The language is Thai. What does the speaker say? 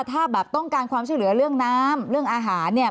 ถ้าแบบต้องการความช่วยเหลือเรื่องน้ำเรื่องอาหารเนี่ย